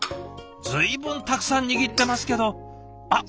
随分たくさん握ってますけどあっ！